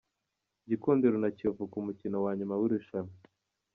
gikundiro na kiyovu Kumukino wanyuma w’irushanwa